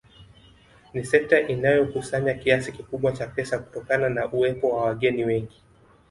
Ni sekta inayokusanya kiasi kikubwa cha pesa kutokana na uwepo wa wageni wengi